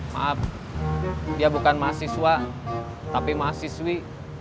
maaf dia bukan mahasiswa tapi mahasiswi